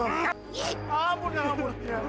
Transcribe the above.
ampun ampun ampun